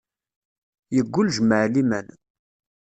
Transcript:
Yeggul jmaɛ liman.